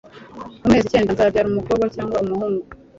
mu mezi icyenda nzabyara umukobwa cyangwa umuhungu